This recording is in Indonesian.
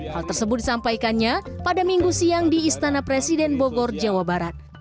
hal tersebut disampaikannya pada minggu siang di istana presiden bogor jawa barat